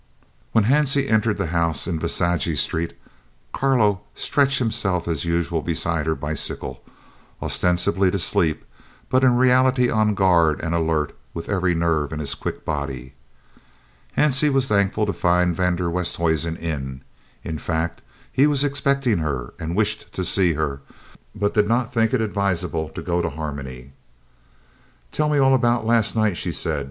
When Hansie entered the house in Visagie Street, Carlo stretched himself as usual beside her bicycle, ostensibly to sleep, but in reality on guard and alert with every nerve in his quick body. Hansie was thankful to find van der Westhuizen in; in fact, he was expecting her and wished to see her, but did not think it advisable to go to Harmony. "Tell me all about last night," she said.